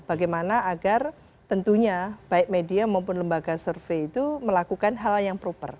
bagaimana agar tentunya baik media maupun lembaga survei itu melakukan hal hal yang proper